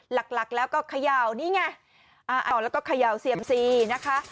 หลักหลักแล้วก็เขย่านี่ไงต่อแล้วก็เขย่าเซียมซีนะคะ